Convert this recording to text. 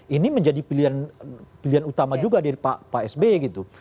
ini menjadi pilihan utama juga dari pak sby gitu